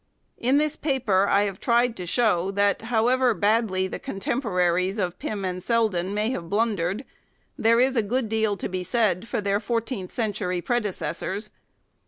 In this paper I have tried to show that, however badly the contemporaries of Pym and Selden may have blundered, there is a good deal to be said for their fourteenth century predecessors.